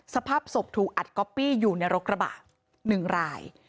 สภาพศพถูกอัดก๊อปปี้อยู่ในรถกระบะ๑ราย